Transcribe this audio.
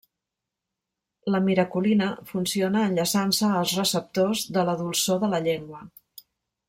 La miraculina funciona enllaçant-se als receptors de la dolçor de la llengua.